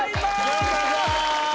よろしくお願いします。